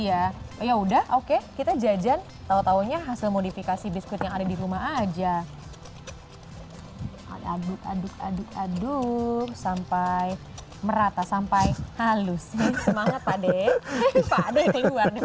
young the yearitals psi ya yaudah oke kita jajan tahu taunya hasil modifikasi biskuit yang ada di rumah aja ada aduk aduk aduk aduk sampai merata sampai halus sih semangat pade client semangat aku tinggal kali tuh boleh sebenarnya melatih otot otot bicep dan tricep nah kamu rule fire